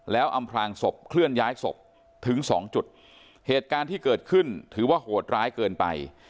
แล้วอำพลางศพเคลื่อนย้ายศพถึงสองจุดเหตุการณ์ที่เกิดขึ้นถือว่าโหดร้ายเกินไป